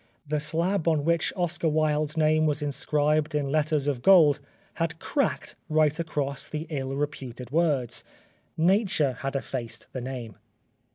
The slab on which 114 The Life of Oscar Wilde Oscar Wilde's name was inscribed in letters of gold had cracked right across the ill reputed words : Nature had effaced the name.